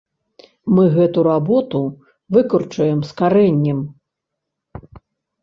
Мы гэту работу выкарчуем з карэннем.